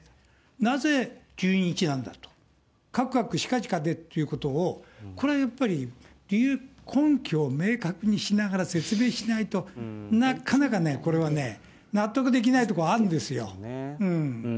なぜ１２日なんだと、かくかくしかじかでということを、これはやっぱり理由、根拠を明確にしながら説明しないと、なかなかね、これはね、納得できないところあるんですよね。